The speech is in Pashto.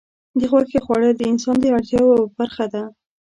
د غوښې خوړل د انسان د اړتیاوو یوه برخه ده.